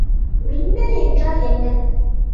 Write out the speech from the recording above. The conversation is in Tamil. மின்னல் என்றால் என்ன?